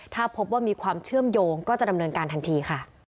ถ้าพบว่ามีความเชื่อมโยงก็จะดำเนินการทันทีค่ะ